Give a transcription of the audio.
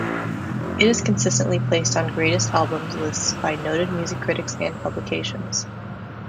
It is consistently placed on 'greatest albums' lists by noted music critics and publications.